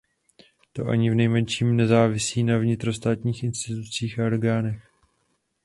To ani v nejmenším nezávisí na vnitrostátních institucích a orgánech.